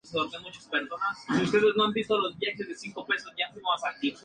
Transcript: Alemania terminó donando los dos primeros submarinos y pagando un tercio del tercero.